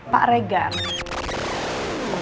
pak regar sih dia aja gak tampil kok